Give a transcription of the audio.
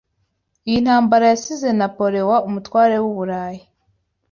Iyi ntambara yasize Napoleon umutware wu Burayi.